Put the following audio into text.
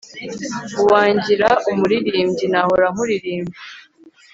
Uwangira umuririmbyi Nahora nkuririmba